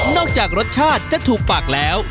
จากรสชาติจะถูกปากแล้ว